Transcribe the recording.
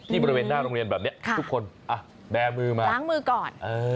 บริเวณหน้าโรงเรียนแบบนี้ทุกคนแบร์มือมาล้างมือก่อน